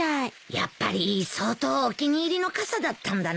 やっぱり相当お気に入りの傘だったんだな。